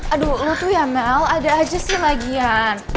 aduh lo tuh ya mel ada aja sih bagian